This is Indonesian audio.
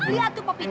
lihat tuh papi